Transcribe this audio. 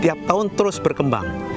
tiap tahun terus berkembang